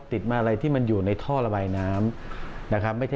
ติดมาอะไรที่มันอยู่ในท่อระบายน้ำนะครับ